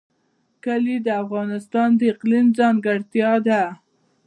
کلي د افغانستان د اقلیم ځانګړتیا ده.